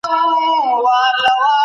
هر استازی په کوم کمیسیون کي کار کوي؟